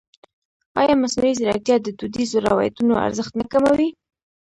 ایا مصنوعي ځیرکتیا د دودیزو روایتونو ارزښت نه کموي؟